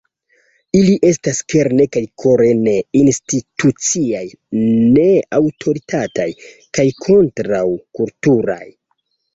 Ili estas, kerne kaj kore, ne-instituciaj, ne-aŭtoritataj, kaj kontraŭ-kulturaj.